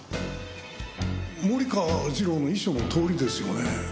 森川次郎の遺書のとおりですよね。